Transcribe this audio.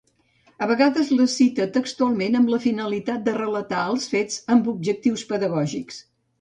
A vegades les cita textualment amb la finalitat de relatar els fets amb objectius pedagògics.